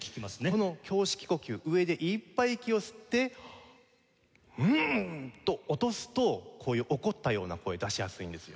この胸式呼吸上でいっぱい息を吸ってフンッ！と落とすとこういう怒ったような声出しやすいんですよ。